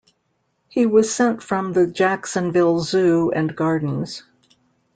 He was sent from the Jacksonville Zoo and Gardens.